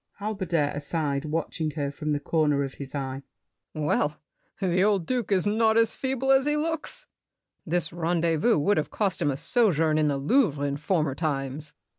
HALBERDIER (aside, watching her from the corner of his eye). Well, the old duke is not As feeble as he looks. This rendezvous Would have cost him a sojourn in the Louvre, In former times.